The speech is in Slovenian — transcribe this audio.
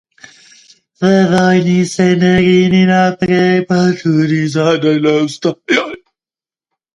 V vojni se ne rini naprej, pa tudi zadaj ne ostajaj.